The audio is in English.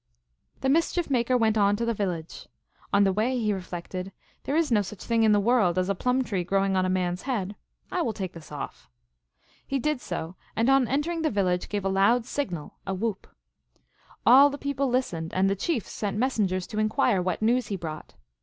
The Mischief Maker went on to the village. On the way he reflected, " There is no such thing in the world as a plum tree growing on a man s head. I will take this off." He did so, and, on entering the village, gave a loud signal (a whoop). All the peo THE MERRY TALES OF LOX. 195 pie listened, and the chiefs sent messengers to inquire what news he brought.